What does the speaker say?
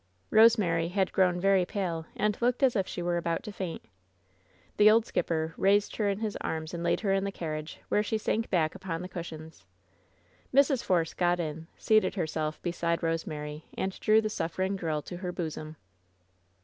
Rosemary had grown very pale and looked as if she were about to faint. The old skipper raised her in his arms and laid her in the carriage, where she sank back upon the cushions. Mrs. Force got in, seated herself beside Rosemary and drew the suffering girl to her bosom.